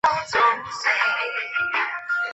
天文学家对观测资料的分析是谨慎而广泛的。